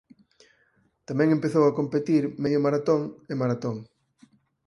Tamén empezou a competir medio maratón e maratón.